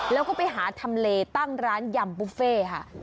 แล้วก็ไปหาทำเลตั้งร้านยำบุฟเฟ่ค่ะ